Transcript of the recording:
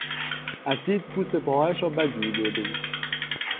اسید پوست پاهایش را بدجوری برده بود.